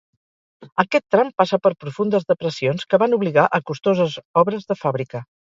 Aquest tram passa per profundes depressions que van obligar a costoses obres de fàbrica.